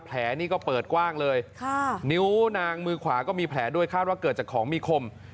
นี่ก็เปิดกว้างเลยนิ้วนางมือขวาก็มีแผลด้วยคาดว่าเกิดจากของมีคม